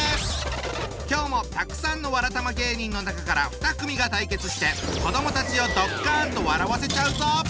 今日もたくさんのわらたま芸人の中から２組が対決して子どもたちをドッカンと笑わせちゃうぞ！